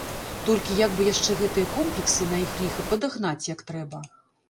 Толькі як бы яшчэ гэтыя комплексы, на іх ліха, падагнаць, як трэба.